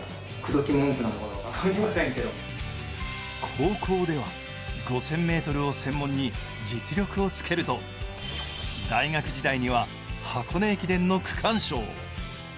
高校では５０００ｍを専門に実力をつけると大学時代には箱根駅伝の区間賞を。